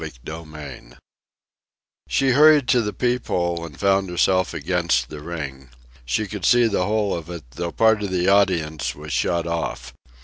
CHAPTER IV She hurried to the peep hole, and found herself against the ring. She could see the whole of it, though part of the audience was shut off.